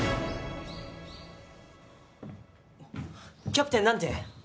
キャプテンなんて？